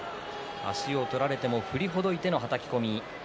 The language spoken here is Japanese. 足を取られても振りほどいてのはたき込み。